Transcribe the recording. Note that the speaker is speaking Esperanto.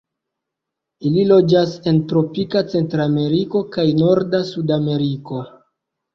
Ili loĝas en tropika Centrameriko kaj norda Sudameriko.